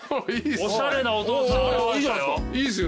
おしゃれなお父さん現れたよ。